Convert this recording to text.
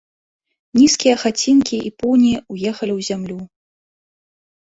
Нізкія хацінкі і пуні ўехалі ў зямлю.